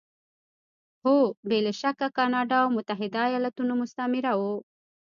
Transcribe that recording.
هو! بې له شکه کاناډا او متحده ایالتونه مستعمره وو.